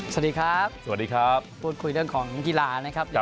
สวัสดีครับสวัสดีครับพูดคุยเรื่องของกีฬานะครับ